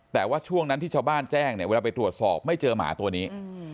แต่ว่าช่วงนั้นที่ชาวบ้านแจ้งเนี่ยเวลาไปตรวจสอบไม่เจอหมาตัวนี้